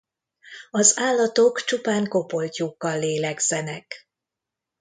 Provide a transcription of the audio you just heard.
Az állatok csupán kopoltyúkkal lélegzenek.